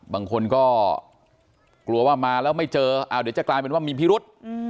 บางคนก็กลัวว่ามาแล้วไม่เจอเดี๋ยวจะกลายเป็นว่ามีพิรุษ